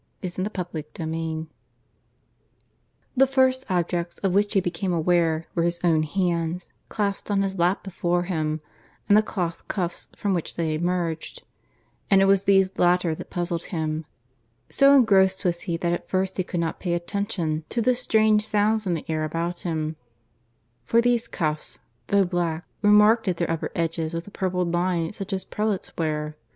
.. air! ... PART I CHAPTER I (I) The first objects of which he became aware were his own hands clasped on his lap before him, and the cloth cuffs from which they emerged; and it was these latter that puzzled him. So engrossed was he that at first he could not pay attention to the strange sounds in the air about him; for these cuffs, though black, were marked at their upper edges with a purpled line such as prelates wear.